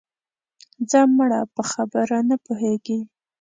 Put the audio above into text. ځه مړه په خبره نه پوهېږې